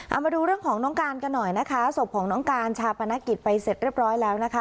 เอามาดูเรื่องของน้องการกันหน่อยนะคะศพของน้องการชาปนกิจไปเสร็จเรียบร้อยแล้วนะคะ